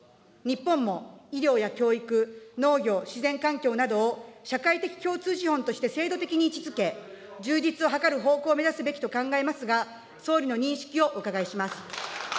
日本も、医療や教育、農業、自然環境などを社会的共通資本として制度的に位置づけ、充実を図る方向を目指すべきと考えますが、総理の認識を伺います。